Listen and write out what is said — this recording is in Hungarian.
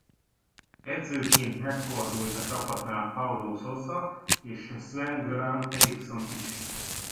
Edzőként megfordult a csapatnál Paulo Sousa és Sven-Göran Eriksson is.